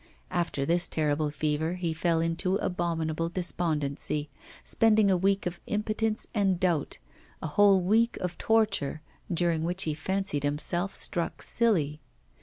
After this terrible fever he fell into abominable despondency, spending a week of impotence and doubt, a whole week of torture, during which he fancied himself struck silly.